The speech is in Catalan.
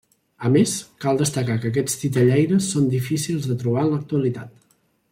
A més, cal destacar que aquests titellaires són difícils de trobar en l'actualitat.